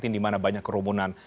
di mana banyak kerumunan